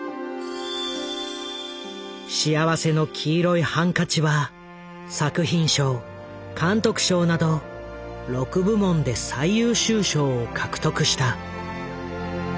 「幸福の黄色いハンカチ」は作品賞監督賞など６部門で最優秀賞を獲得した。